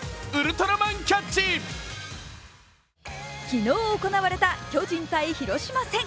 昨日行われた巨人対広島戦。